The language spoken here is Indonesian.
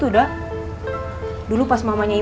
bapaknya gak mau nyanyi